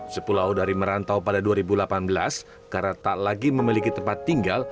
sepulau dari merantau pada dua ribu delapan belas karena tak lagi memiliki tempat tinggal